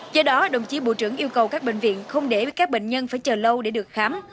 do đó đồng chí bộ trưởng yêu cầu các bệnh viện không để các bệnh nhân phải chờ lâu để được khám